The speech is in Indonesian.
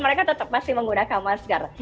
mereka tetap masih menggunakan masker